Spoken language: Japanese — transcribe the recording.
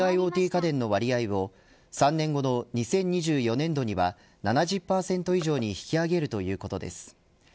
家電の割合を３年後の２０２４年度には７０％以上に引き上げるということです。